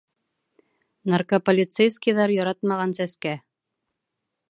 Наркополицейскийҙар яратмаған сәскә.